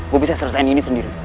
gue bisa selesaikan ini sendiri